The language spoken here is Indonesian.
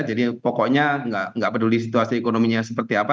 jadi pokoknya nggak peduli situasi ekonominya seperti apa